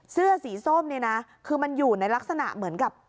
เสื้อสีส้มเนี่ยนะคือมันอยู่ในลักษณะเหมือนกับ